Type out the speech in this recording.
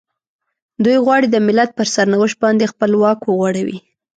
دوی غواړي د ملت پر سرنوشت باندې خپل واک وغوړوي.